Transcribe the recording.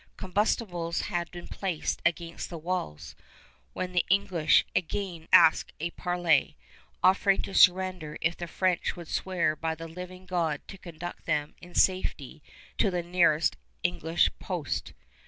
Combustibles had been placed against the walls, when the English again asked a parley, offering to surrender if the French would swear by the living God to conduct them in safety to the nearest English post.